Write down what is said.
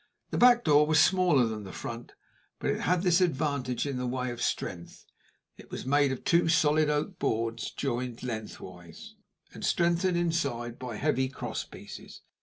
The back door was smaller than the front, but it had this advantage in the way of strength it was made of two solid oak boards joined lengthwise, and strengthened inside by heavy cross pieces.